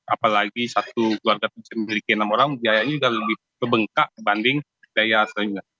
apalagi satu warga bisa memberikan enam orang biayanya sudah lebih kebengkak dibanding biaya selingkuh